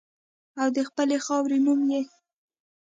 او د خپلې خاورې نوم یې